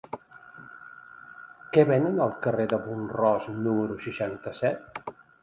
Què venen al carrer de Mont-ros número seixanta-set?